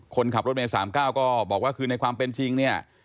คนขับรถเมย์๓๙ก็บอกว่าคือในความเป็นจริงเนี่ย